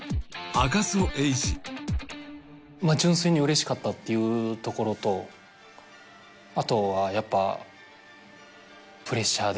純粋にうれしかったっていうところとあとはやっぱプレッシャーですね。